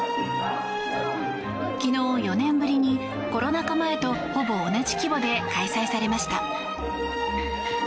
昨日、４年ぶりにコロナ禍前とほぼ同じ規模で開催されました。